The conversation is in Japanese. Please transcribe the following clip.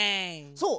そう。